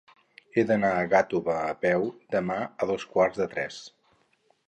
He d'anar a Gàtova a peu demà a dos quarts de tres.